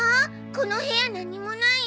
この部屋何もない。